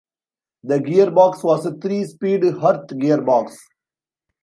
The gearbox was a three speed Hurth gearbox.